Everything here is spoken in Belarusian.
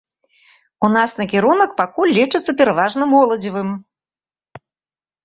У нас накірунак пакуль лічыцца пераважна моладзевым.